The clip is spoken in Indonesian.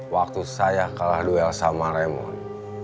waktu saya kalah duel sama raimon